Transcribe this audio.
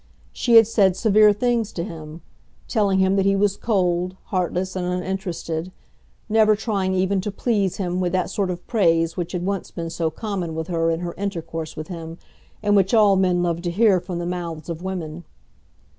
She had said severe things to him, telling him that he was cold, heartless, and uninterested, never trying even to please him with that sort of praise which had once been so common with her in her intercourse with him, and which all men love to hear from the mouths of women.